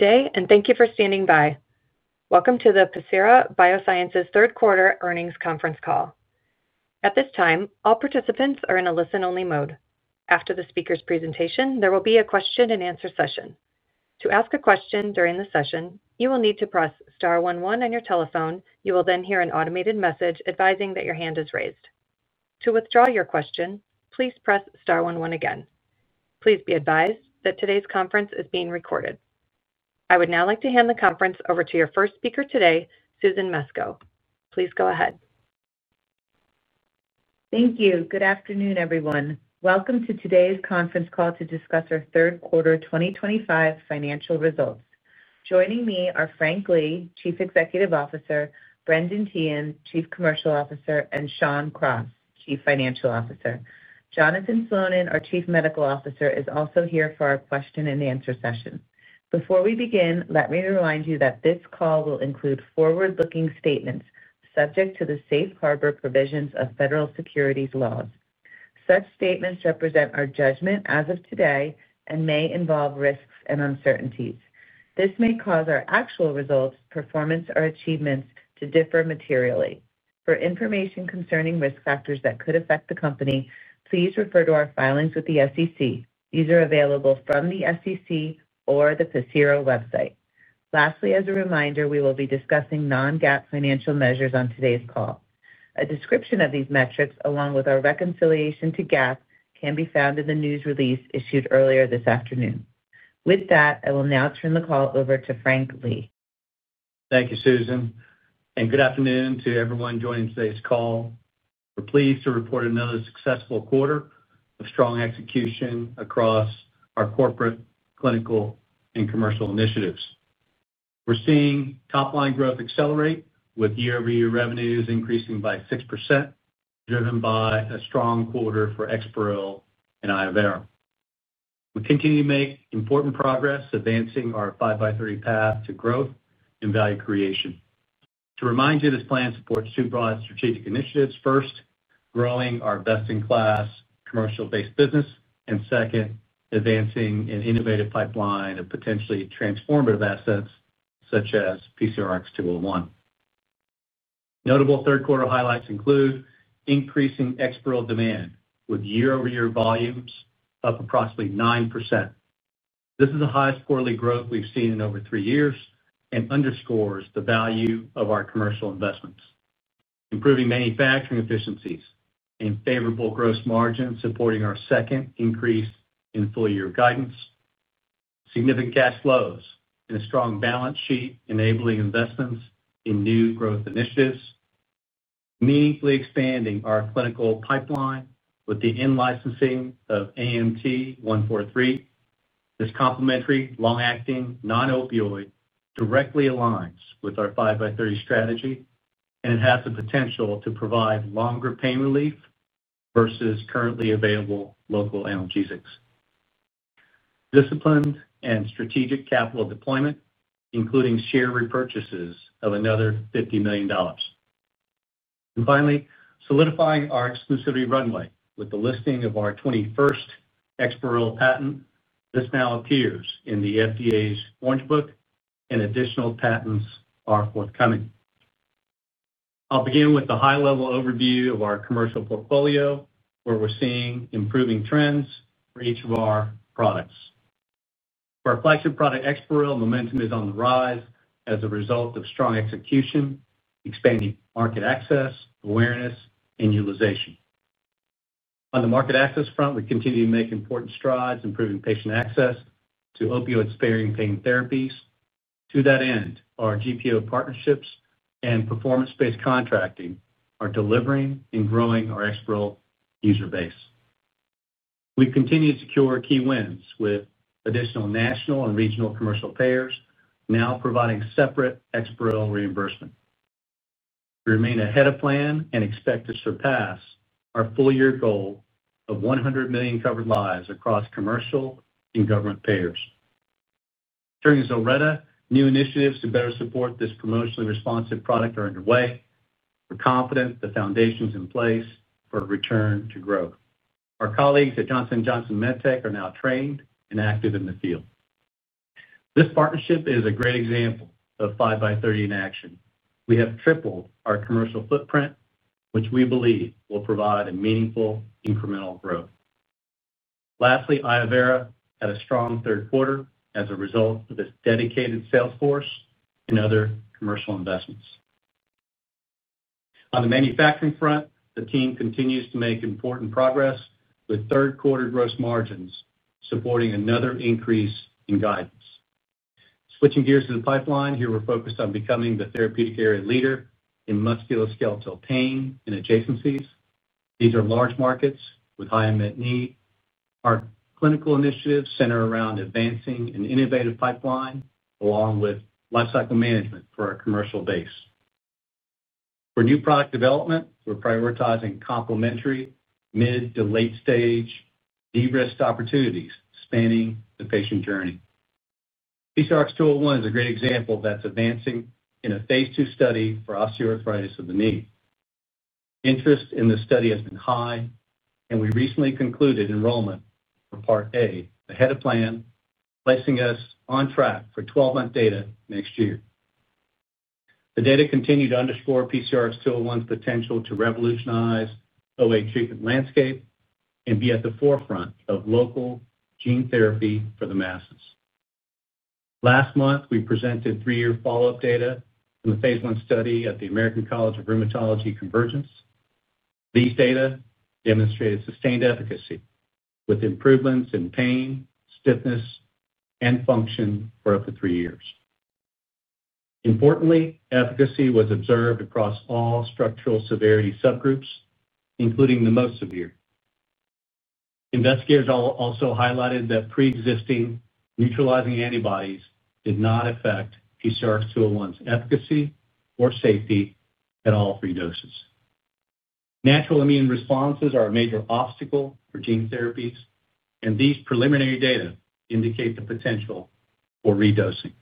Good day, and thank you for standing by. Welcome to the Pacira BioSciences third quarter earnings conference call. At this time, all participants are in a listen-only mode. After the speaker's presentation, there will be a question-and-answer session. To ask a question during the session, you will need to press star one one on your telephone. You will then hear an automated message advising that your hand is raised. To withdraw your question, please press star 11 again. Please be advised that today's conference is being recorded. I would now like to hand the conference over to your first speaker today, Susan Mesco. Please go ahead. Thank you. Good afternoon, everyone. Welcome to today's conference call to discuss our third quarter 2025 financial results. Joining me are Frank Lee, Chief Executive Officer; Brendan Teehan, Chief Commercial Officer; and Shawn Cross, Chief Financial Officer. Jonathan Slonin, our Chief Medical Officer, is also here for our question-and-answer session. Before we begin, let me remind you that this call will include forward-looking statements subject to the safe harbor provisions of federal securities laws. Such statements represent our judgment as of today and may involve risks and uncertainties. This may cause our actual results, performance, or achievements to differ materially. For information concerning risk factors that could affect the company, please refer to our filings with the SEC. These are available from the SEC or the Pacira website. Lastly, as a reminder, we will be discussing non-GAAP financial measures on today's call. A description of these metrics, along with our reconciliation to GAAP, can be found in the news release issued earlier this afternoon. With that, I will now turn the call over to Frank Lee. Thank you, Susan. Good afternoon to everyone joining today's call. We're pleased to report another successful quarter of strong execution across our corporate, clinical, and commercial initiatives. We're seeing top-line growth accelerate, with year-over-year revenues increasing by 6%, driven by a strong quarter for EXPAREL and iovera. We continue to make important progress, advancing our 5x30 path to growth and value creation. To remind you, this plan supports two broad strategic initiatives: first, growing our best-in-class commercial-based business; and second, advancing an innovative pipeline of potentially transformative assets such as PCRX-201. Notable third quarter highlights include increasing EXPAREL demand, with year-over-year volumes up approximately 9%. This is the highest quarterly growth we've seen in over three years and underscores the value of our commercial investments. Improving manufacturing efficiencies and favorable gross margins supporting our second increase in full-year guidance. Significant cash flows and a strong balance sheet enabling investments in new growth initiatives. Meaningfully expanding our clinical pipeline with the in-licensing of AMT-143. This complementary, long-acting, non-opioid directly aligns with our 5x30 strategy, and it has the potential to provide longer pain relief versus currently available local analgesics. Disciplined and strategic capital deployment, including share repurchases of another $50 million. Finally, solidifying our exclusivity runway with the listing of our 21st EXPAREL patent. This now appears in the FDA's Orange Book, and additional patents are forthcoming. I'll begin with a high-level overview of our commercial portfolio, where we're seeing improving trends for each of our products. For our flagship product, EXPAREL, momentum is on the rise as a result of strong execution, expanding market access, awareness, and utilization. On the market access front, we continue to make important strides, improving patient access to opioid-sparing pain therapies. To that end, our GPO partnerships and performance-based contracting are delivering and growing our EXPAREL user base. We continue to secure key wins with additional national and regional commercial payers, now providing separate EXPAREL reimbursement. We remain ahead of plan and expect to surpass our full-year goal of 100 million covered lives across commercial and government payers. During ZILRETTA, new initiatives to better support this promotionally responsive product are underway. We're confident the foundation is in place for return to growth. Our colleagues at Johnson & Johnson MedTech are now trained and active in the field. This partnership is a great example of 5x30 in action. We have tripled our commercial footprint, which we believe will provide a meaningful incremental growth. Lastly, iovera had a strong third quarter as a result of its dedicated sales force and other commercial investments. On the manufacturing front, the team continues to make important progress, with third-quarter gross margins supporting another increase in guidance. Switching gears to the pipeline, here we're focused on becoming the therapeutic area leader in musculoskeletal pain and adjacencies. These are large markets with high unmet need. Our clinical initiatives center around advancing an innovative pipeline along with lifecycle management for our commercial base. For new product development, we're prioritizing complementary mid to late-stage de-risk opportunities spanning the patient journey. PCRX-201 is a great example of that's advancing in a phase II study for osteoarthritis of the knee. Interest in the study has been high, and we recently concluded enrollment for part A, ahead of plan, placing us on track for 12-month data next year. The data continue to underscore PCRX-201's potential to revolutionize OA treatment landscape and be at the forefront of local gene therapy for the masses. Last month, we presented three-year follow-up data from the phase one study at the American College of Rheumatology Convergence. These data demonstrated sustained efficacy with improvements in pain, stiffness, and function for up to three years. Importantly, efficacy was observed across all structural severity subgroups, including the most severe. Investigators also highlighted that pre-existing neutralizing antibodies did not affect PCRX-201's efficacy or safety at all three doses. Natural immune responses are a major obstacle for gene therapies, and these preliminary data indicate the potential for redosing.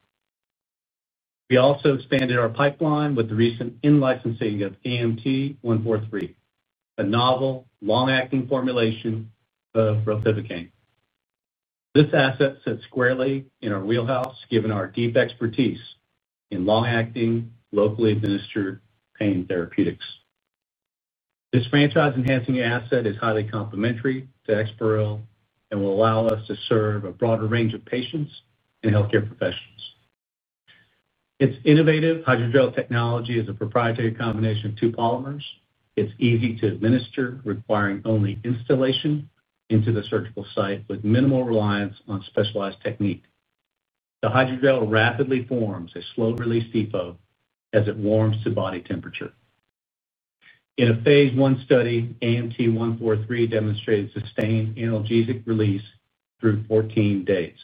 We also expanded our pipeline with the recent in-licensing of AMT-143, a novel long-acting formulation of ropivacaine. This asset sits squarely in our wheelhouse, given our deep expertise in long-acting locally administered pain therapeutics. This franchise-enhancing asset is highly complementary to EXPAREL and will allow us to serve a broader range of patients and healthcare professionals. Its innovative hydrogel technology is a proprietary combination of two polymers. It's easy to administer, requiring only instillation into the surgical site with minimal reliance on specialized technique. The hydrogel rapidly forms a slow-release depot as it warms to body temperature. In a phase I study, AMT-143 demonstrated sustained analgesic release through 14 days.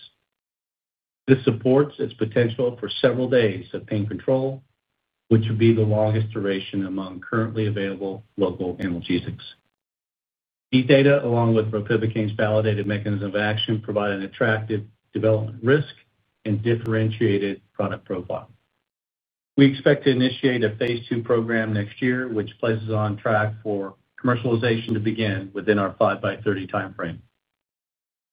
This supports its potential for several days of pain control, which would be the longest duration among currently available local analgesics. These data, along with ropivacaine's validated mechanism of action, provide an attractive development risk and differentiated product profile. We expect to initiate a phase II program next year, which places us on track for commercialization to begin within our 5x30 timeframe.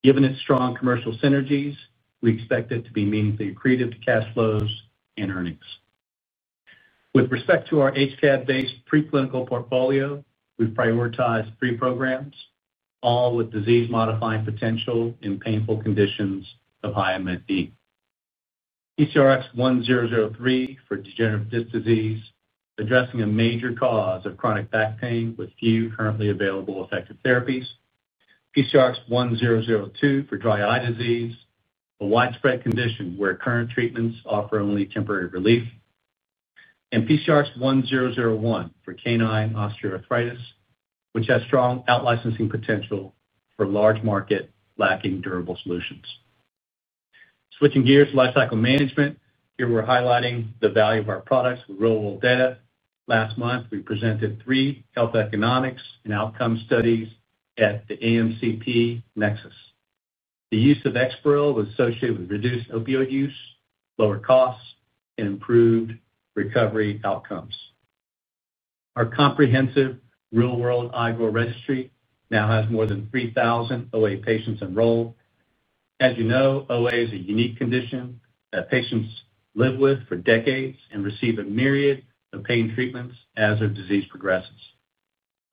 Given its strong commercial synergies, we expect it to be meaningfully accretive to cash flows and earnings. With respect to our HDAC-based preclinical portfolio, we've prioritized three programs, all with disease-modifying potential in painful conditions of high unmet need. PCRX-1003 for degenerative disc disease, addressing a major cause of chronic back pain with few currently available effective therapies. PCRX-1002 for dry eye disease, a widespread condition where current treatments offer only temporary relief. PCRX-1001 for canine osteoarthritis, which has strong out-licensing potential for a large market lacking durable solutions. Switching gears to lifecycle management, here we're highlighting the value of our products with real-world data. Last month, we presented three health economics and outcome studies at the AMCP Nexus. The use of EXPAREL was associated with reduced opioid use, lower costs, and improved recovery outcomes. Our comprehensive real-world iovera registry now has more than 3,000 OA patients enrolled. As you know, OA is a unique condition that patients live with for decades and receive a myriad of pain treatments as their disease progresses.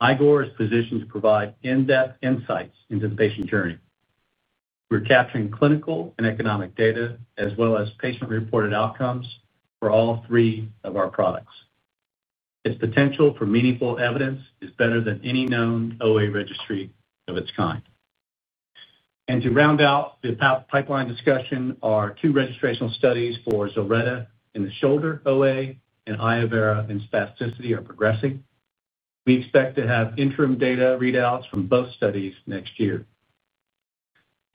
iovera is positioned to provide in-depth insights into the patient journey. We're capturing clinical and economic data as well as patient-reported outcomes for all three of our products. Its potential for meaningful evidence is better than any known OA registry of its kind. To round out the pipeline discussion, our two registrational studies for ZILRETTA in the shoulder OA and iovera in spasticity are progressing. We expect to have interim data readouts from both studies next year.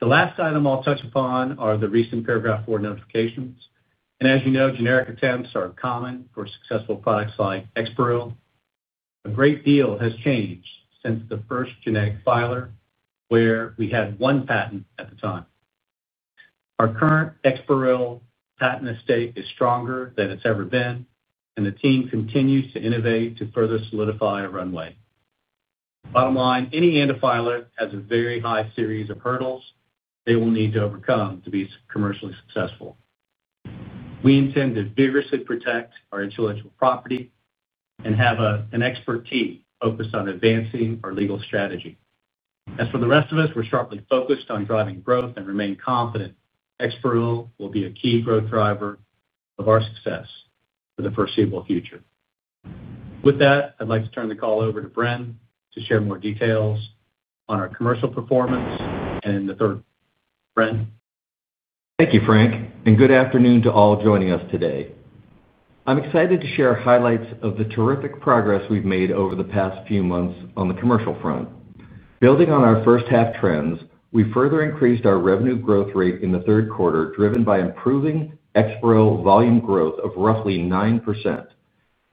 The last item I'll touch upon are the recent Paragraph IV notifications. As you know, generic attempts are common for successful products like EXPAREL. A great deal has changed since the first generic filer, where we had one patent at the time. Our current EXPAREL patent estate is stronger than it's ever been, and the team continues to innovate to further solidify a runway. Bottom line, any antifiler has a very high series of hurdles they will need to overcome to be commercially successful. We intend to vigorously protect our intellectual property and have an expertise focused on advancing our legal strategy. As for the rest of us, we're sharply focused on driving growth and remain confident EXPAREL will be a key growth driver of our success for the foreseeable future. With that, I'd like to turn the call over to Brendan to share more details on our commercial performance and the third. Brendan. Thank you, Frank, and good afternoon to all joining us today. I'm excited to share highlights of the terrific progress we've made over the past few months on the commercial front. Building on our first-half trends, we further increased our revenue growth rate in the third quarter, driven by improving EXPAREL volume growth of roughly 9%.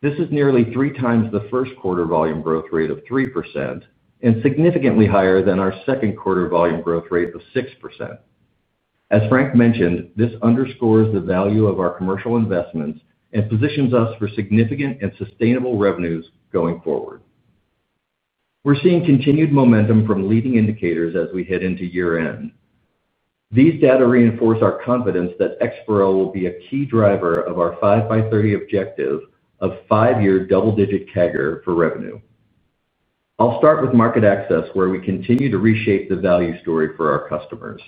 This is nearly 3x the first quarter volume growth rate of 3% and significantly higher than our second quarter volume growth rate of 6%. As Frank mentioned, this underscores the value of our commercial investments and positions us for significant and sustainable revenues going forward. We're seeing continued momentum from leading indicators as we head into year-end. These data reinforce our confidence that EXPAREL will be a key driver of our 5x30 objective of five-year double-digit CAGR for revenue. I'll start with market access, where we continue to reshape the value story for our customers.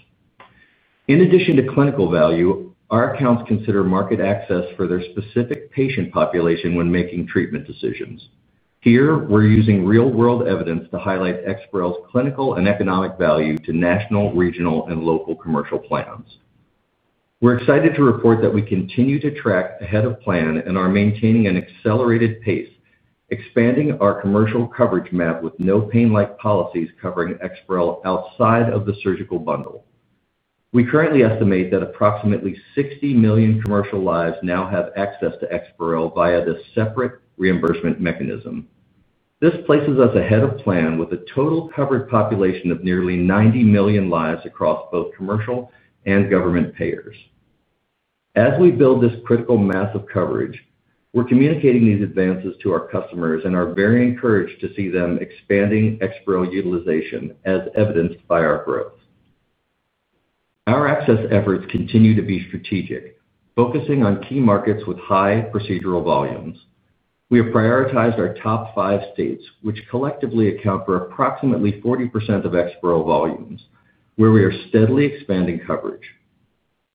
In addition to clinical value, our accounts consider market access for their specific patient population when making treatment decisions. Here, we're using real-world evidence to highlight EXPAREL's clinical and economic value to national, regional, and local commercial plans. We're excited to report that we continue to track ahead of plan and are maintaining an accelerated pace, expanding our commercial coverage map with no pain-like policies covering EXPAREL outside of the surgical bundle. We currently estimate that approximately 60 million commercial lives now have access to EXPAREL via this separate reimbursement mechanism. This places us ahead of plan with a total covered population of nearly 90 million lives across both commercial and government payers. As we build this critical mass of coverage, we're communicating these advances to our customers and are very encouraged to see them expanding EXPAREL utilization, as evidenced by our growth. Our access efforts continue to be strategic, focusing on key markets with high procedural volumes. We have prioritized our top five states, which collectively account for approximately 40% of EXPAREL volumes, where we are steadily expanding coverage.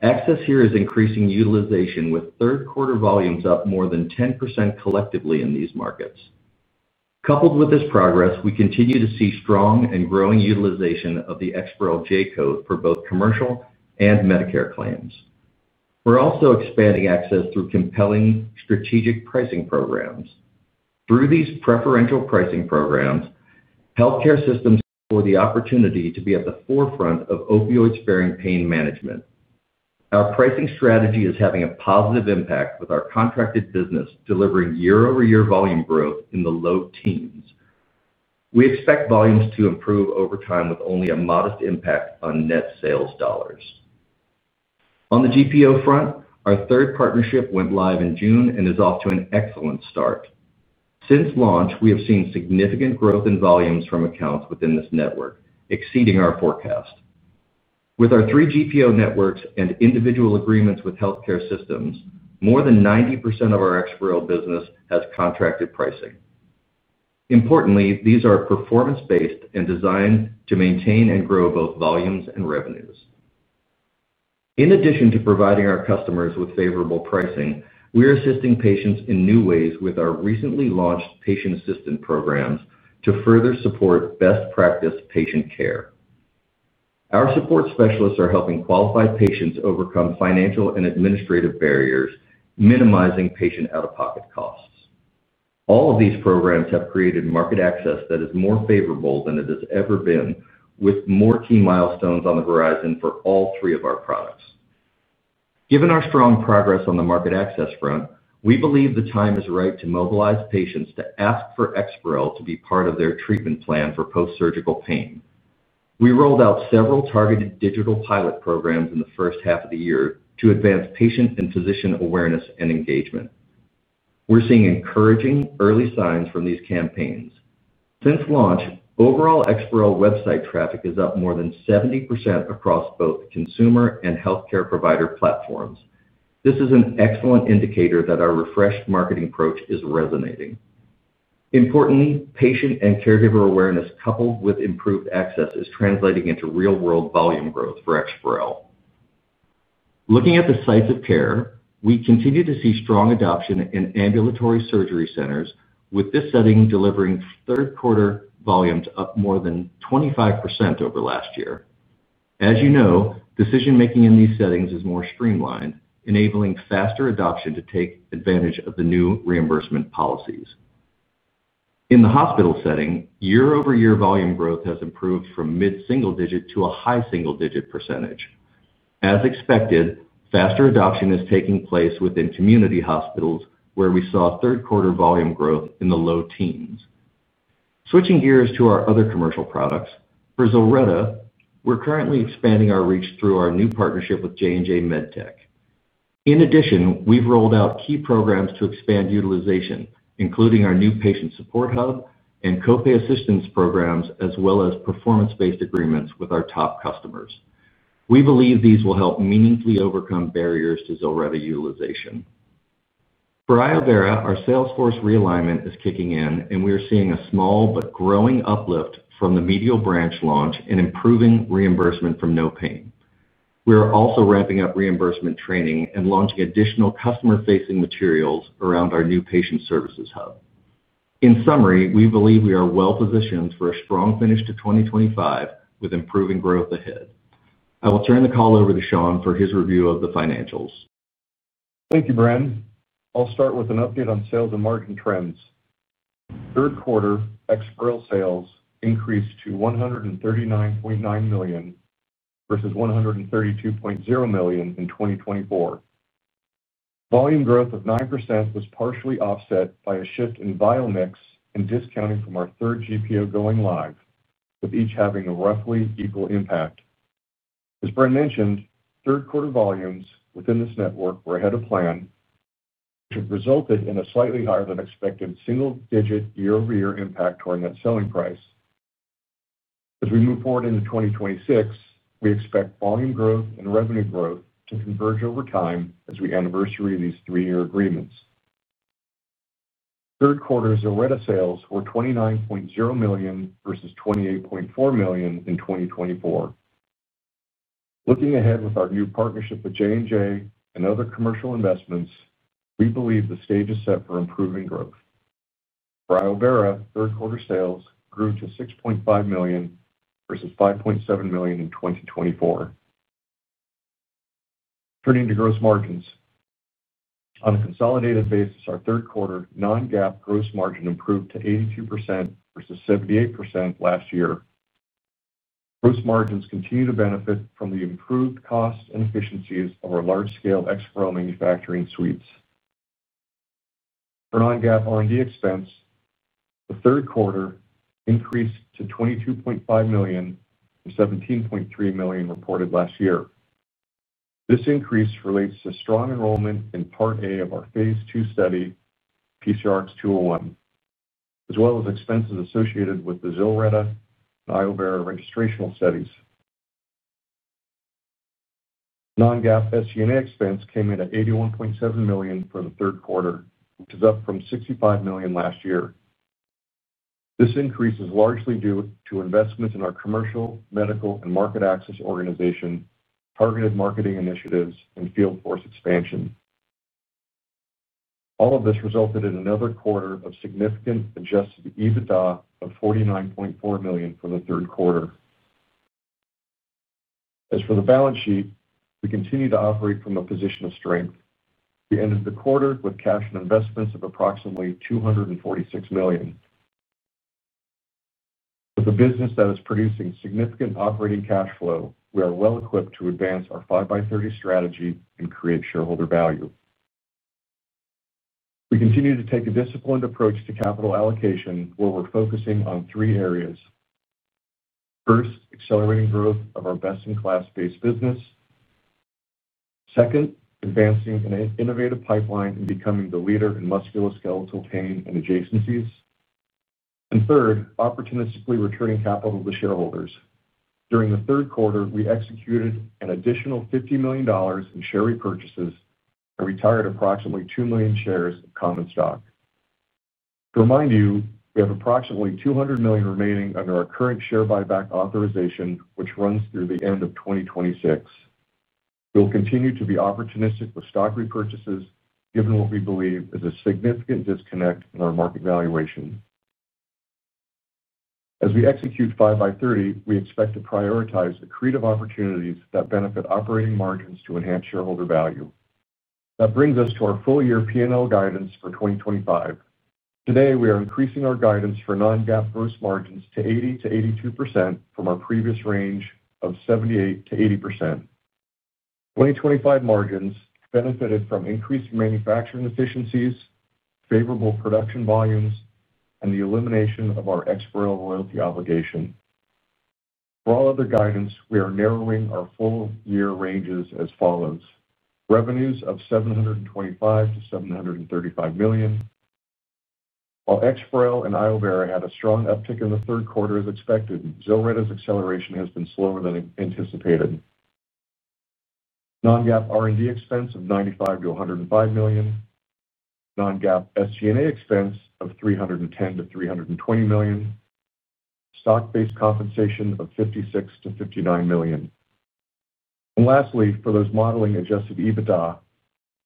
Access here is increasing utilization, with third-quarter volumes up more than 10% collectively in these markets. Coupled with this progress, we continue to see strong and growing utilization of the EXPAREL J-code for both commercial and Medicare claims. We're also expanding access through compelling strategic pricing programs. Through these preferential pricing programs, healthcare systems have the opportunity to be at the forefront of opioid-sparing pain management. Our pricing strategy is having a positive impact, with our contracted business delivering year-over-year volume growth in the low teens. We expect volumes to improve over time with only a modest impact on net sales dollars. On the GPO front, our third partnership went live in June and is off to an excellent start. Since launch, we have seen significant growth in volumes from accounts within this network, exceeding our forecast. With our three GPO networks and individual agreements with healthcare systems, more than 90% of our EXPAREL business has contracted pricing. Importantly, these are performance-based and designed to maintain and grow both volumes and revenues. In addition to providing our customers with favorable pricing, we're assisting patients in new ways with our recently launched patient assistant programs to further support best practice patient care. Our support specialists are helping qualified patients overcome financial and administrative barriers, minimizing patient out-of-pocket costs. All of these programs have created market access that is more favorable than it has ever been, with more key milestones on the horizon for all three of our products. Given our strong progress on the market access front, we believe the time is right to mobilize patients to ask for EXPAREL to be part of their treatment plan for post-surgical pain. We rolled out several targeted digital pilot programs in the first half of the year to advance patient and physician awareness and engagement. We're seeing encouraging early signs from these campaigns. Since launch, overall EXPAREL website traffic is up more than 70% across both consumer and healthcare provider platforms. This is an excellent indicator that our refreshed marketing approach is resonating. Importantly, patient and caregiver awareness, coupled with improved access, is translating into real-world volume growth for EXPAREL. Looking at the sites of care, we continue to see strong adoption in ambulatory surgery centers, with this setting delivering third-quarter volumes up more than 25% over last year. As you know, decision-making in these settings is more streamlined, enabling faster adoption to take advantage of the new reimbursement policies. In the hospital setting, year-over-year volume growth has improved from mid-single digit to a high single-digit percentage. As expected, faster adoption is taking place within community hospitals, where we saw third-quarter volume growth in the low teens. Switching gears to our other commercial products, for ZILRETTA, we're currently expanding our reach through our new partnership with Johnson & Johnson MedTech. In addition, we've rolled out key programs to expand utilization, including our new patient support hub and copay assistance programs, as well as performance-based agreements with our top customers. We believe these will help meaningfully overcome barriers to ZILRETTA utilization. For iovera, our Salesforce realignment is kicking in, and we are seeing a small but growing uplift from the medial branch launch and improving reimbursement from NOPAIN. We are also ramping up reimbursement training and launching additional customer-facing materials around our new patient services hub. In summary, we believe we are well-positioned for a strong finish to 2025 with improving growth ahead. I will turn the call over to Shawn for his review of the financials. Thank you, Brendan. I'll start with an update on sales and marketing trends. Third-quarter EXPAREL sales increased to $139.9 million versus $132.0 million in 2024. Volume growth of 9% was partially offset by a shift in vial mix and discounting from our third GPO going live, with each having a roughly equal impact. As Brendan mentioned, third-quarter volumes within this network were ahead of plan, which have resulted in a slightly higher than expected single-digit year-over-year impact toward net selling price. As we move forward into 2026, we expect volume growth and revenue growth to converge over time as we anniversary these three-year agreements. Third-quarter ZILRETTA sales were $29.0 million versus $28.4 million in 2024. Looking ahead with our new partnership with Johnson & Johnson MedTech and other commercial investments, we believe the stage is set for improving growth. For iovera, third-quarter sales grew to $6.5 million versus $5.7 million in 2024. Turning to gross margins. On a consolidated basis, our third-quarter non-GAAP gross margin improved to 82% versus 78% last year. Gross margins continue to benefit from the improved cost and efficiencies of our large-scale EXPAREL manufacturing suites. For non-GAAP R&D expense, the third quarter increased to $22.5 million from $17.3 million reported last year. This increase relates to strong enrollment in part A of our phase II study, PCRX-201, as well as expenses associated with the ZILRETTA and iovera registrational studies. Non-GAAP SG&A expense came in at $81.7 million for the third quarter, which is up from $65 million last year. This increase is largely due to investments in our commercial, medical, and market access organization, targeted marketing initiatives, and field force expansion. All of this resulted in another quarter of significant adjusted EBITDA of $49.4 million for the third quarter. As for the balance sheet, we continue to operate from a position of strength. We ended the quarter with cash and investments of approximately $246 million. With a business that is producing significant operating cash flow, we are well-equipped to advance our 5x30 strategy and create shareholder value. We continue to take a disciplined approach to capital allocation, where we're focusing on three areas. First, accelerating growth of our best-in-class base business. Second, advancing an innovative pipeline and becoming the leader in musculoskeletal pain and adjacencies. Third, opportunistically returning capital to shareholders. During the third quarter, we executed an additional $50 million in share repurchases and retired approximately 2 million shares of common stock. To remind you, we have approximately $200 million remaining under our current share buyback authorization, which runs through the end of 2026. We will continue to be opportunistic with stock repurchases, given what we believe is a significant disconnect in our market valuation. As we execute 5x30, we expect to prioritize accretive opportunities that benefit operating margins to enhance shareholder value. That brings us to our full-year P&L guidance for 2025. Today, we are increasing our guidance for non-GAAP gross margins to 80%-82% from our previous range of 78%-80%. 2025 margins benefited from increased manufacturing efficiencies, favorable production volumes, and the elimination of our Exparel royalty obligation. For all other guidance, we are narrowing our full-year ranges as follows: revenues of $725 million-$735 million. While Exparel and iovera had a strong uptick in the third quarter as expected, ZORVOLTA's acceleration has been slower than anticipated. Non-GAAP R&D expense of $95 million-$105 million. Non-GAAP SCNA expense of $310 million-$320 million. Stock-based compensation of $56 million-$59 million. Lastly, for those modeling adjusted EBITDA,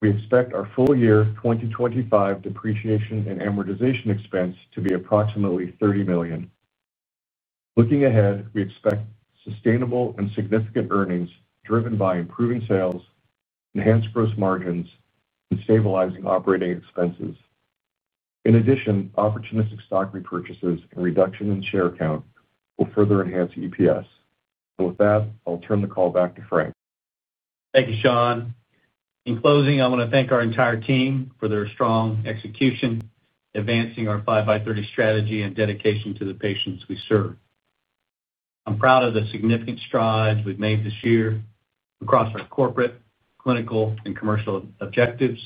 we expect our full-year 2025 depreciation and amortization expense to be approximately $30 million. Looking ahead, we expect sustainable and significant earnings driven by improving sales, enhanced gross margins, and stabilizing operating expenses. In addition, opportunistic stock repurchases and reduction in share count will further enhance EPS. With that, I'll turn the call back to Frank. Thank you, Shawn. In closing, I want to thank our entire team for their strong execution, advancing our 5x30 strategy, and dedication to the patients we serve. I'm proud of the significant strides we've made this year across our corporate, clinical, and commercial objectives.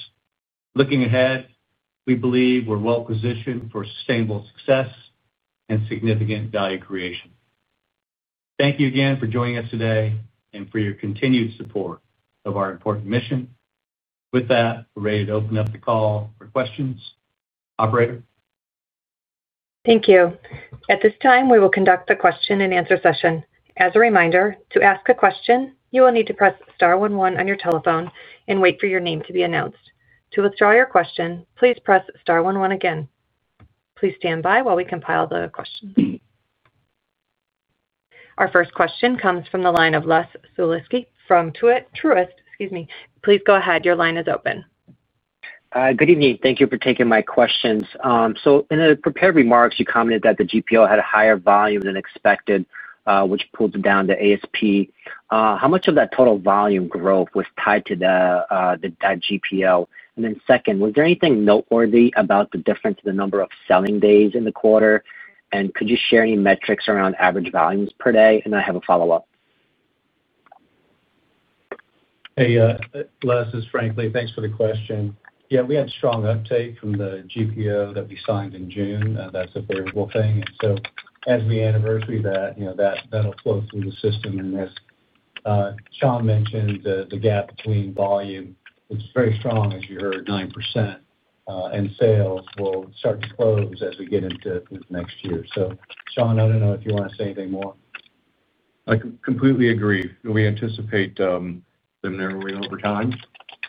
Looking ahead, we believe we're well-positioned for sustainable success and significant value creation. Thank you again for joining us today and for your continued support of our important mission. With that, we're ready to open up the call for questions. Operator. Thank you. At this time, we will conduct the question-and-answer session. As a reminder, to ask a question, you will need to press star one one on your telephone and wait for your name to be announced. To withdraw your question, please press star one one again. Please stand by while we compile the questions. Our first question comes from the line of Les Sulewski from Truist Securities. Excuse me. Please go ahead. Your line is open. Good evening. Thank you for taking my questions. In the prepared remarks, you commented that the GPO had a higher volume than expected, which pulled down the ASP. How much of that total volume growth was tied to that GPO? Was there anything noteworthy about the difference in the number of selling days in the quarter? Could you share any metrics around average volumes per day? I have a follow-up. Hey, Les, it's Frank Lee. Thanks for the question. Yeah, we had strong uptake from the GPO that we signed in June. That's a very well-thing. As we anniversary that, that'll flow through the system. As Shawn mentioned, the gap between volume was very strong, as you heard, 9%. Sales will start to close as we get into next year. Shawn, I don't know if you want to say anything more. I completely agree. We anticipate them narrowing over time.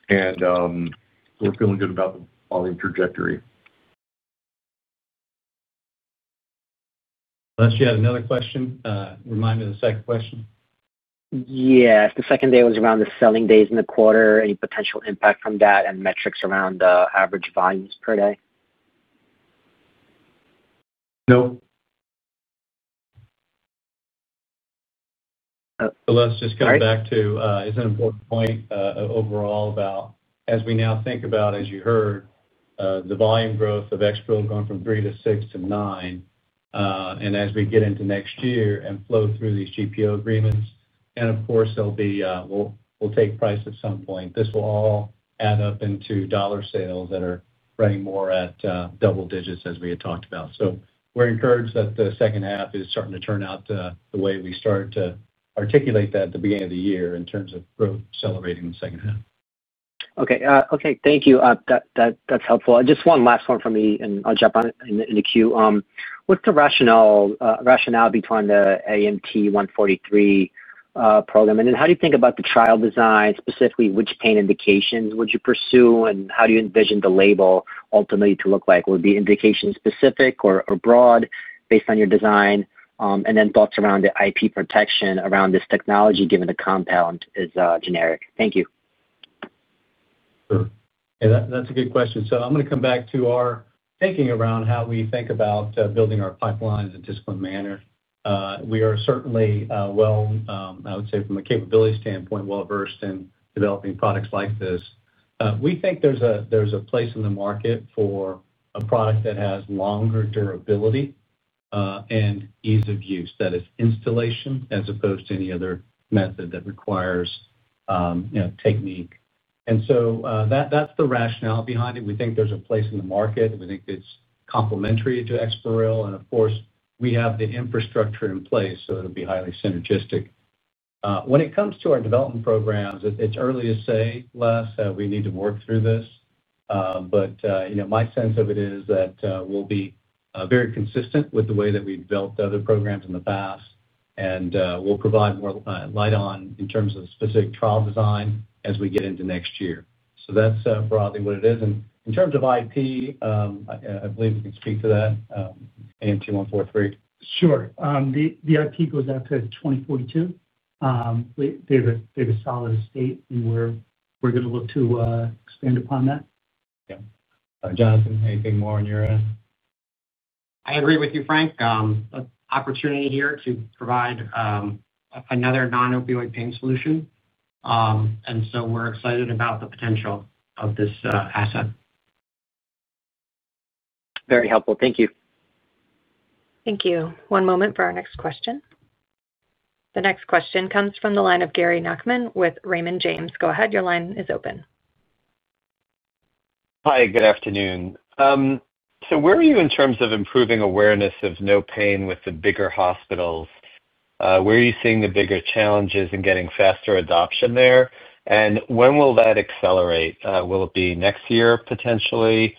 We are feeling good about the volume trajectory. Les, you had another question? Remind me of the second question. Yeah. The second thing was around the selling days in the quarter, any potential impact from that, and metrics around average volumes per day? No. Les, just coming back to, it's an important point overall about, as we now think about, as you heard, the volume growth of EXPAREL going from three to six to nine. As we get into next year and flow through these GPO agreements, and of course, we'll take price at some point. This will all add up into dollar sales that are running more at double digits, as we had talked about. We are encouraged that the second half is starting to turn out the way we start to articulate that at the beginning of the year in terms of growth accelerating in the second half. Okay. Okay. Thank you. That's helpful. Just one last one from me, and I'll jump on it in the queue. What's the rationale between the AMT-143 program? And then how do you think about the trial design? Specifically, which pain indications would you pursue, and how do you envision the label ultimately to look like? Would it be indication-specific or broad based on your design? And then thoughts around the IP protection around this technology, given the compound is generic. Thank you. Sure. Yeah, that's a good question. I'm going to come back to our thinking around how we think about building our pipelines in a disciplined manner. We are certainly, I would say from a capability standpoint, well-versed in developing products like this. We think there's a place in the market for a product that has longer durability and ease of use, that is, instillation as opposed to any other method that requires technique. That's the rationale behind it. We think there's a place in the market. We think it's complementary to EXPAREL. Of course, we have the infrastructure in place, so it'll be highly synergistic. When it comes to our development programs, it's early to say, Les, we need to work through this. My sense of it is that we'll be very consistent with the way that we've developed other programs in the past. We will provide more light on in terms of specific trial design as we get into next year. That is broadly what it is. In terms of IP, I believe we can speak to that. AMT-143? Sure. The IP goes out to 2042. They have a solid estate, and we're going to look to expand upon that. Yeah. Jonathan, anything more on your end? I agree with you, Frank. Opportunity here to provide another non-opioid pain solution. And so we're excited about the potential of this asset. Very helpful. Thank you. Thank you. One moment for our next question. The next question comes from the line of Gary Nachman with Raymond James. Go ahead. Your line is open. Hi. Good afternoon. Where are you in terms of improving awareness of no pain with the bigger hospitals? Where are you seeing the bigger challenges in getting faster adoption there? When will that accelerate? Will it be next year, potentially?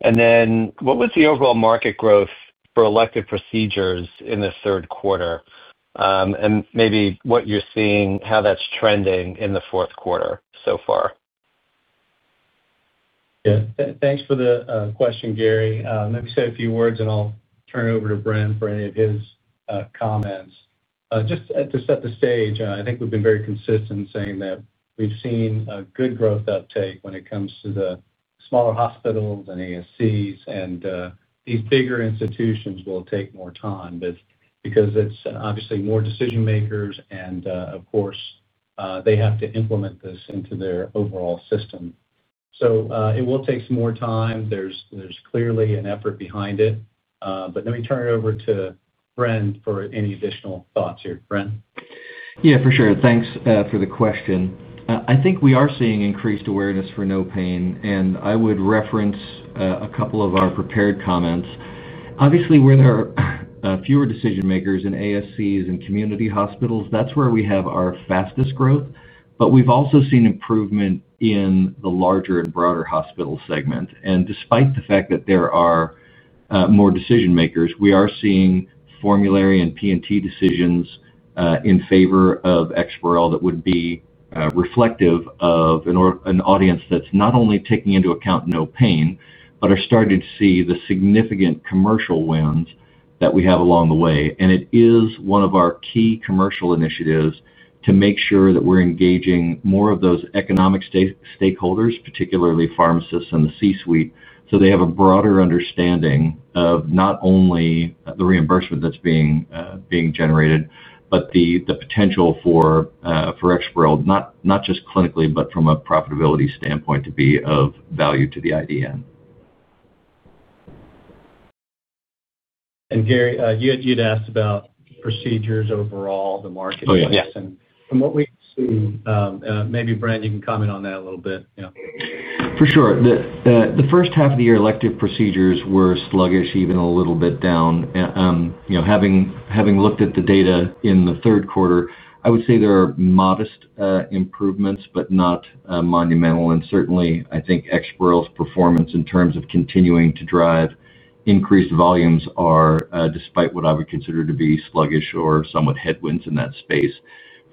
What was the overall market growth for elective procedures in the third quarter? Maybe what you're seeing, how that's trending in the fourth quarter so far. Yeah. Thanks for the question, Gary. Let me say a few words, and I'll turn it over to Brendan for any of his comments. Just to set the stage, I think we've been very consistent in saying that we've seen a good growth uptake when it comes to the smaller hospitals and ASCs, and these bigger institutions will take more time because it's obviously more decision-makers. Of course, they have to implement this into their overall system. It will take some more time. There's clearly an effort behind it. Let me turn it over to Brendan for any additional thoughts here. Brendan. Yeah, for sure. Thanks for the question. I think we are seeing increased awareness for no pain. I would reference a couple of our prepared comments. Obviously, where there are fewer decision-makers in ASCs and community hospitals, that's where we have our fastest growth. We have also seen improvement in the larger and broader hospital segment. Despite the fact that there are more decision-makers, we are seeing formulary and P&T decisions in favor of EXPAREL that would be reflective of an audience that's not only taking into account no pain, but are starting to see the significant commercial wins that we have along the way. It is one of our key commercial initiatives to make sure that we're engaging more of those economic stakeholders, particularly pharmacists and the C-suite, so they have a broader understanding of not only the reimbursement that's being generated, but the potential for. EXPAREL, not just clinically, but from a profitability standpoint, to be of value to the IDN. Gary, you had asked about procedures overall, the market. Oh, yes. From what we've seen, maybe Brendan, you can comment on that a little bit. Yeah. For sure. The first half of the year, elective procedures were sluggish, even a little bit down. Having looked at the data in the third quarter, I would say there are modest improvements, but not monumental. Certainly, I think EXPAREL's performance in terms of continuing to drive increased volumes are, despite what I would consider to be sluggish or somewhat headwinds in that space.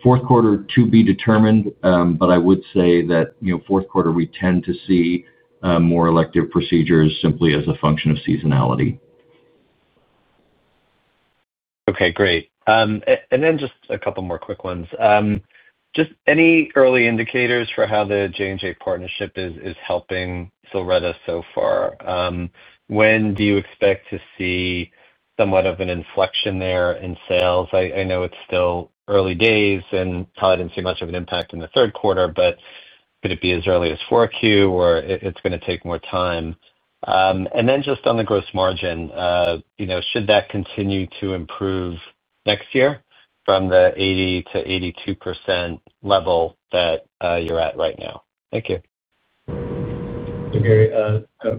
Fourth quarter to be determined, but I would say that fourth quarter, we tend to see more elective procedures simply as a function of seasonality. Okay. Great. Just a couple more quick ones. Just any early indicators for how the J&J partnership is helping ZILRETTA so far? When do you expect to see somewhat of an inflection there in sales? I know it's still early days, and probably didn't see much of an impact in the third quarter, but could it be as early as Q4, or is it going to take more time? Just on the gross margin, should that continue to improve next year from the 80%-82% level that you're at right now? Thank you. Gary,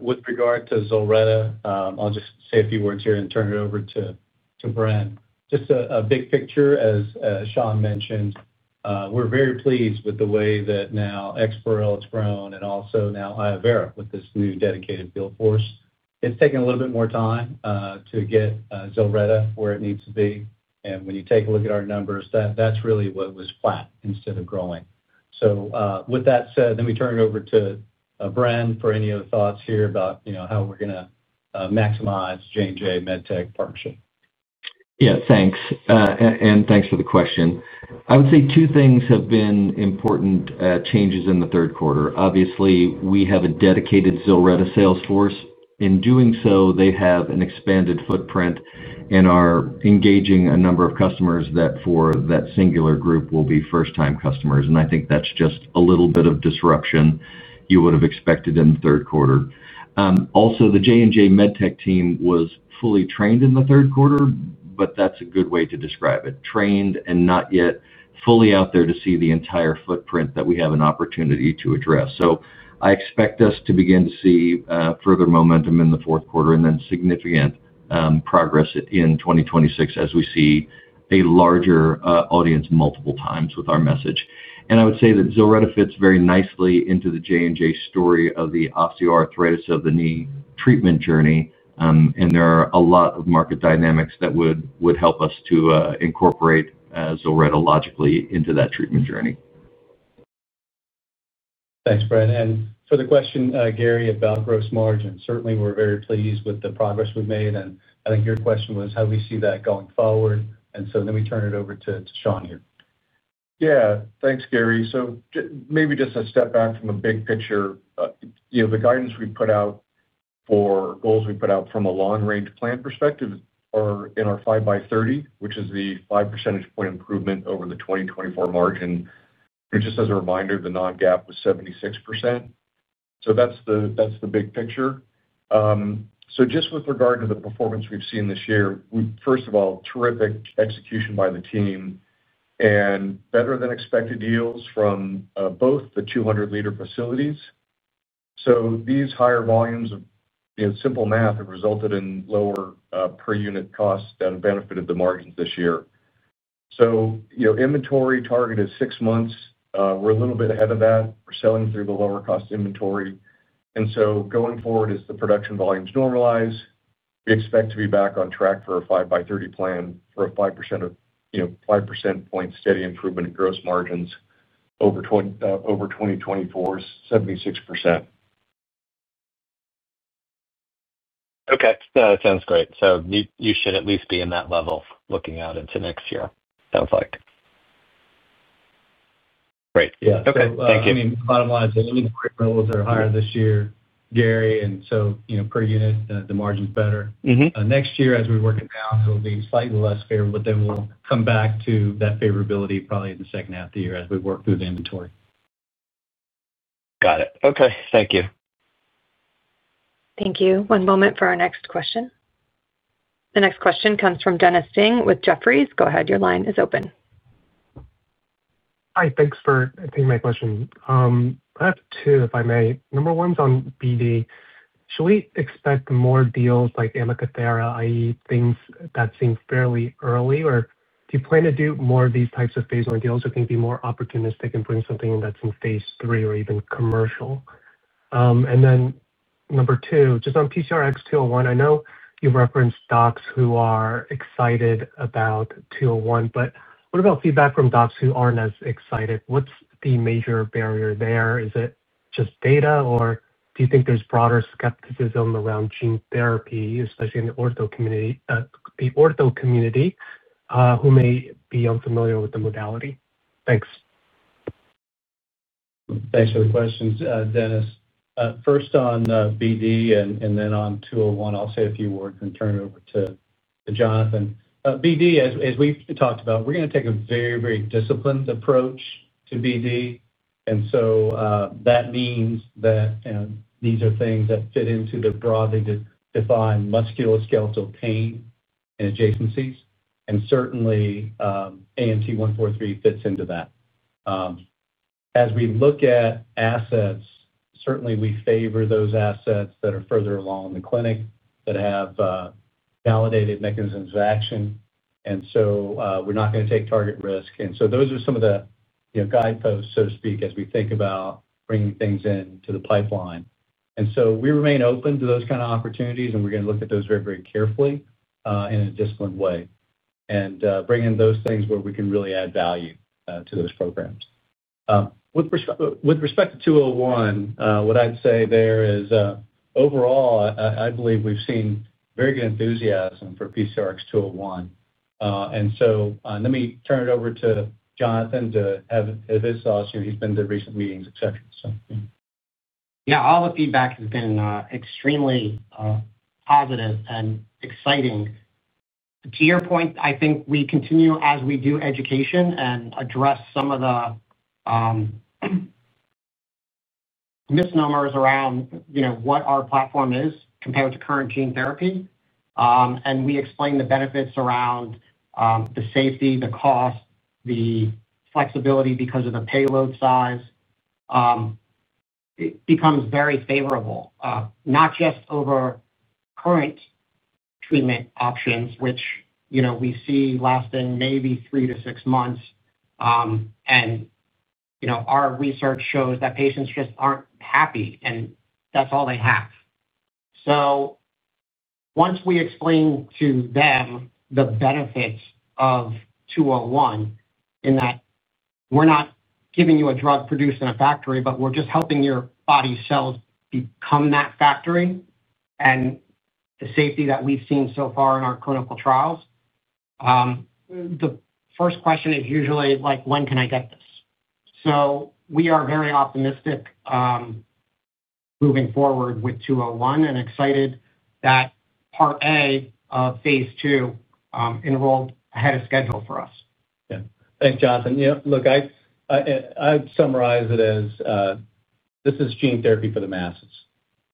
with regard to ZILRETTA, I'll just say a few words here and turn it over to Brendan. Just a big picture, as Shawn mentioned, we're very pleased with the way that now EXPAREL has grown and also now iovera with this new dedicated field force. It's taken a little bit more time to get ZILRETTA where it needs to be. When you take a look at our numbers, that's really what was flat instead of growing. With that said, let me turn it over to Brendan for any other thoughts here about how we're going to maximize the Johnson & Johnson MedTech partnership. Yeah. Thanks. Thanks for the question. I would say two things have been important changes in the third quarter. Obviously, we have a dedicated ZILRETTA sales force. In doing so, they have an expanded footprint and are engaging a number of customers that, for that singular group, will be first-time customers. I think that's just a little bit of disruption you would have expected in the third quarter. Also, the Johnson & Johnson MedTech team was fully trained in the third quarter, but that's a good way to describe it. Trained and not yet fully out there to see the entire footprint that we have an opportunity to address. I expect us to begin to see further momentum in the fourth quarter and then significant progress in 2026 as we see a larger audience multiple times with our message. I would say that ZILRETTA fits very nicely into the Johnson & Johnson MedTech story of the osteoarthritis of the knee treatment journey. There are a lot of market dynamics that would help us to incorporate ZILRETTA logically into that treatment journey. Thanks, Brendan. For the question, Gary, about gross margin, certainly, we're very pleased with the progress we've made. I think your question was, how do we see that going forward? Let me turn it over to Shawn here. Yeah. Thanks, Gary. Maybe just a step back from a big picture. The guidance we put out for goals we put out from a long-range plan perspective are in our 5x30, which is the 5 percentage point improvement over the 2024 margin. Just as a reminder, the non-GAAP was 76%. That is the big picture. Just with regard to the performance we have seen this year, first of all, terrific execution by the team. Better than expected yields from both the 200-liter facilities. These higher volumes of simple math have resulted in lower per unit costs that have benefited the margins this year. Inventory target is six months. We are a little bit ahead of that. We are selling through the lower-cost inventory. Going forward, as the production volumes normalize, we expect to be back on track for a 5x30 plan for a 5%. Point steady improvement in gross margins over 2024 for 76%. Okay. That sounds great. You should at least be in that level looking out into next year, sounds like. Great. Yeah. Thank you. I mean, bottom line is that anything quicker or higher this year, Gary, and so per unit, the margin's better. Next year, as we're working down, it'll be slightly less favorable, but then we'll come back to that favorability probably in the second half of the year as we work through the inventory. Got it. Okay. Thank you. Thank you. One moment for our next question. The next question comes from Dennis Ding with Jefferies. Go ahead. Your line is open. Hi. Thanks for taking my question. I have two, if I may. Number one is on BD. Should we expect more deals like Amicus Therapeutics, i.e., things that seem fairly early, or do you plan to do more of these types of phase one deals or think it'd be more opportunistic and bring something in that's in phase three or even commercial? Number two, just on PCRX-201, I know you've referenced docs who are excited about 201, but what about feedback from docs who aren't as excited? What's the major barrier there? Is it just data, or do you think there's broader skepticism around gene therapy, especially in the ortho community, who may be unfamiliar with the modality? Thanks. Thanks for the questions, Denis. First on BD, and then on 201, I'll say a few words and turn it over to Jonathan. BD, as we've talked about, we're going to take a very, very disciplined approach to BD. That means these are things that fit into the broadly defined musculoskeletal pain and adjacencies. Certainly, AMT-143 fits into that. As we look at assets, certainly we favor those assets that are further along in the clinic that have validated mechanisms of action. We're not going to take target risk. Those are some of the guideposts, so to speak, as we think about bringing things into the pipeline. We remain open to those kinds of opportunities, and we're going to look at those very, very carefully in a disciplined way and bring in those things where we can really add value to those programs. With respect to 201, what I'd say there is, overall, I believe we've seen very good enthusiasm for PCRX-201. Let me turn it over to Jonathan to have his thoughts. He's been to recent meetings, etc., so. Yeah. All the feedback has been extremely positive and exciting. To your point, I think we continue, as we do education, and address some of the misnomers around what our platform is compared to current gene therapy. We explain the benefits around the safety, the cost, the flexibility because of the payload size. It becomes very favorable, not just over current treatment options, which we see lasting maybe three to six months. Our research shows that patients just aren't happy, and that's all they have. Once we explain to them the benefits of 201 in that we're not giving you a drug produced in a factory, but we're just helping your body's cells become that factory and the safety that we've seen so far in our clinical trials. The first question is usually, "When can I get this?" We are very optimistic. Moving forward with 201 and excited that part A of phase II enrolled ahead of schedule for us. Yeah. Thanks, Jonathan. Look. I'd summarize it as this is gene therapy for the masses.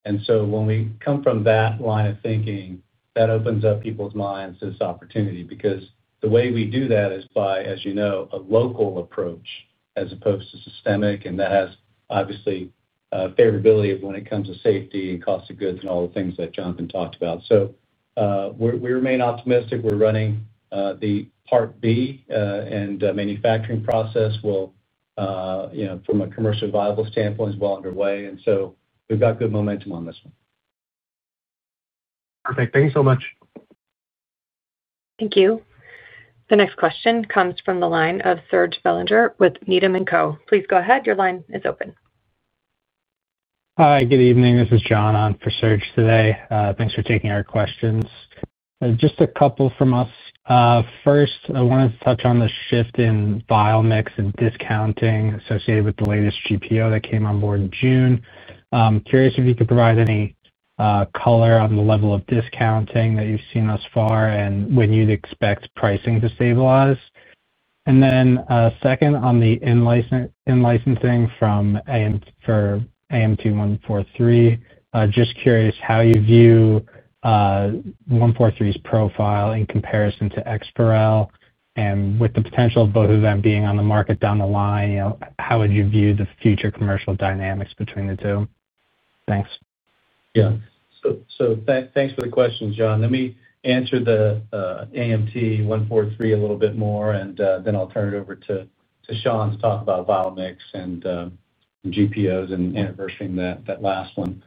When we come from that line of thinking, that opens up people's minds to this opportunity because the way we do that is by, as you know, a local approach as opposed to systemic. That has obviously favorability when it comes to safety and cost of goods and all the things that Jonathan talked about. We remain optimistic. We're running the part B, and the manufacturing process from a commercially viable standpoint is well underway. We've got good momentum on this one. Perfect. Thank you so much. Thank you. The next question comes from the line of Serge Belanger with Needham. Please go ahead. Your line is open. Hi. Good evening. This is John on for Serge today. Thanks for taking our questions. Just a couple from us. First, I wanted to touch on the shift in biomix and discounting associated with the latest GPO that came on board in June. Curious if you could provide any color on the level of discounting that you've seen thus far and when you'd expect pricing to stabilize. Second, on the in-licensing from AMT-143, just curious how you view 143's profile in comparison to EXPAREL and with the potential of both of them being on the market down the line, how would you view the future commercial dynamics between the two? Thanks. Yeah. Thanks for the question, John. Let me answer the AMT-143 a little bit more, and then I'll turn it over to Shawn to talk about biomix and GPOs and anniversary in that last one.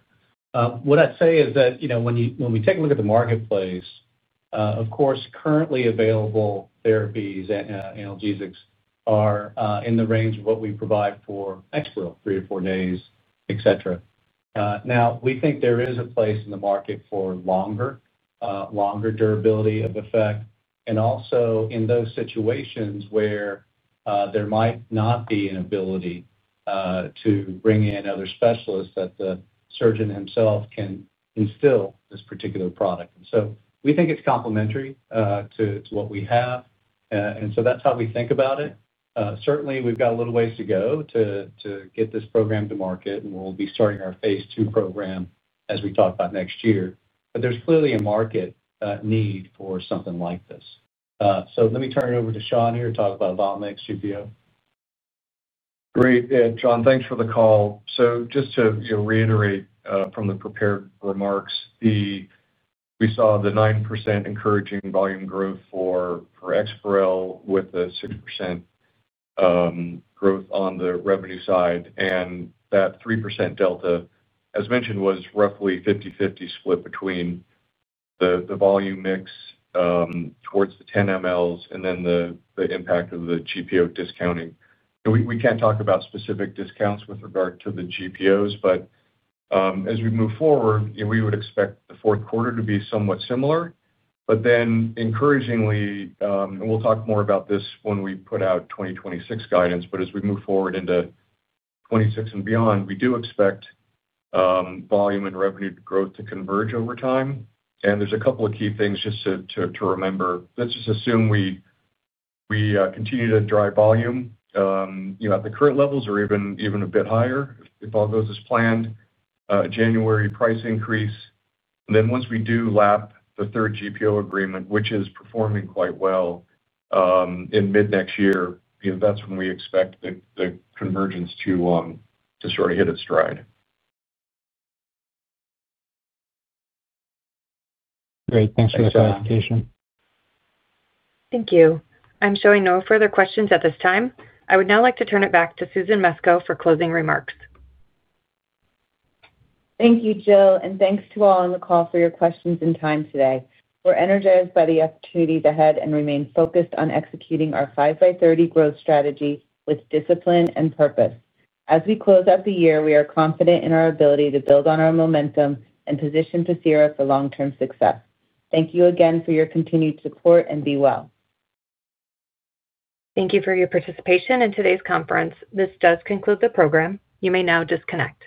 What I'd say is that when we take a look at the marketplace, of course, currently available therapies and analgesics are in the range of what we provide for EXPAREL, three to four days, etc. We think there is a place in the market for longer durability of effect. Also, in those situations where there might not be an ability to bring in other specialists, the surgeon himself can instill this particular product. We think it's complementary to what we have. That's how we think about it. Certainly, we've got a little ways to go to get this program to market, and we'll be starting our phase two program as we talk about next year. There is clearly a market need for something like this. Let me turn it over to Shawn here to talk about GPO. Great. Yeah. John, thanks for the call. Just to reiterate from the prepared remarks, we saw the 9% encouraging volume growth for EXPAREL with a 6% growth on the revenue side. That 3% delta, as mentioned, was roughly a 50/50 split between the volume mix towards the 10 mLs and then the impact of the GPO discounting. We can't talk about specific discounts with regard to the GPOs, but as we move forward, we would expect the fourth quarter to be somewhat similar. Encouragingly, we will talk more about this when we put out 2026 guidance, but as we move forward into 2026 and beyond, we do expect volume and revenue growth to converge over time. There are a couple of key things just to remember. Let's just assume we continue to drive volume. At the current levels or even a bit higher if all goes as planned, January price increase. Once we do lap the third GPO agreement, which is performing quite well, in mid-next year, that's when we expect the convergence to sort of hit its stride. Great. Thanks for the clarification. Thank you. I'm showing no further questions at this time. I would now like to turn it back to Susan Mesco for closing remarks. Thank you, Jill, and thanks to all on the call for your questions and time today. We're energized by the opportunities ahead and remain focused on executing our 5x30 growth strategy with discipline and purpose. As we close out the year, we are confident in our ability to build on our momentum and position Pacira for long-term success. Thank you again for your continued support and be well. Thank you for your participation in today's conference. This does conclude the program. You may now disconnect.